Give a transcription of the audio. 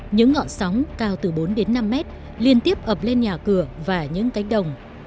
những ngọn sóng cao từ bốn đến năm mét liên tiếp ập lên nhà cửa và những cánh đồng